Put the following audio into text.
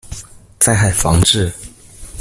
災害防治